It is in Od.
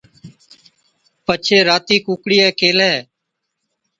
پڇي راتِي ڪُوڪڙِيئَي ڪيھلَي۔